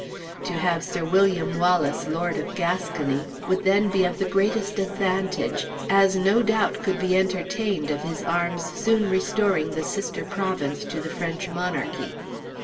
To have Sir William Wallace lord of Gascony would then be of the greatest advantage as no doubt could be entertained of his arms soon restoring the sister province to the French monarchy.